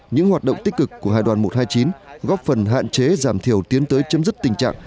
những hoạt động tích cực của hải đoàn một trăm hai mươi chín góp phần hạn chế giảm thiểu tiến tới chấm dứt tình trạng